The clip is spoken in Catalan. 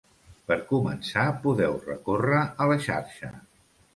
Per començar, podeu recórrer a la xarxa.